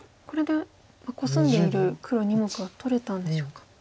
これでコスんでいる黒２目は取れたんでしょうか。